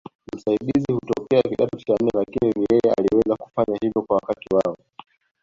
Msaidizi hutokea kidato cha nne Lakini ni yeye aliweza kufanya hivyo kwa wakati wao